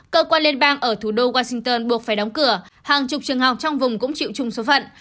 cơ quan liên bang ở thủ đô washington buộc phải đóng cửa hàng chục trường học trong vùng cũng chịu chung số phận